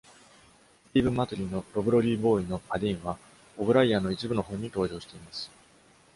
スティーブン・マトゥリンのロブロリーボーイのパディーンは、オブライアンの一部の本に登場しています。